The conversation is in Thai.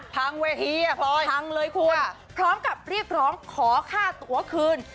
พังเว้ยเหี้ยพลอยพังเลยคุณค่ะพร้อมกับรีบร้องขอฆ่าตัวคืน